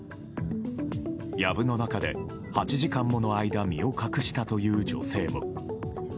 やぶの中で８時間もの間身を隠したという女性も。